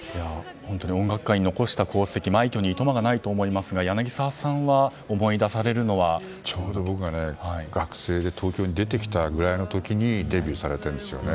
本当に音楽界に残した功績枚挙にいとまがないと思いますが柳澤さんがちょうど僕が学生で東京に出てきたぐらいの時デビューされているんですよね。